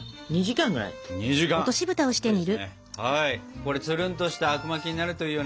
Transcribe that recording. これつるんとしたあくまきになるといいよね。